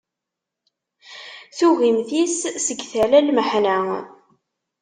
Tugimt-is seg tala n lmeḥna.